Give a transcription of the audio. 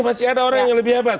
pasti ada orang yang lebih